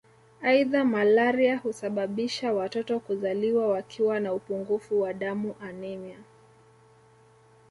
Aidha malaria husababisha watoto kuzaliwa wakiwa na upungufu wa damu anemia